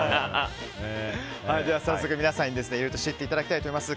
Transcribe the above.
早速皆さんにいろいろ知っていただきたいと思います。